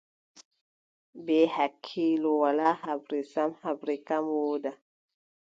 Bee hakkiilo, walaa haɓre sam, haɓre kam wooda.